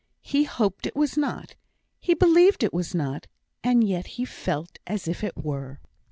He hoped it was not; he believed it was not; and yet he felt as if it were.